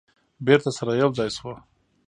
بیرته سره یو ځای شوه.